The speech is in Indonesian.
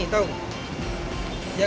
kita sudah mengindikasi bahwa sosial media